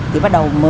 thì bắt đầu mới